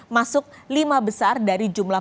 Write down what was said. masuk lima besar dari jumlah